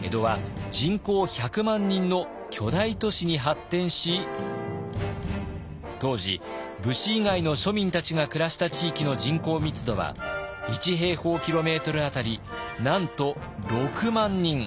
江戸は人口１００万人の巨大都市に発展し当時武士以外の庶民たちが暮らした地域の人口密度は１平方キロメートル当たりなんと６万人。